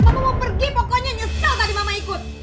kamu mau pergi pokoknya nyesel tadi mama ikut